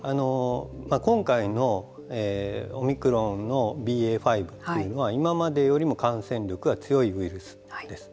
今回のオミクロンのＢＡ．５というのは今までよりも感染力が強いウイルスです。